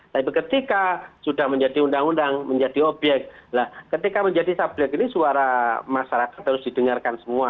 tapi ketika sudah menjadi undang undang menjadi obyek ketika menjadi sublet ini suara masyarakat harus didengarkan semua